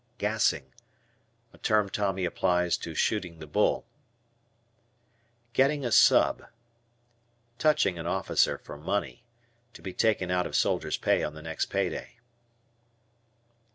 "Gassing." A term Tommy applies to "shooting the bull." "Getting a sub." Touching an officer for money. To be taken out of soldier's pay on the next pay day.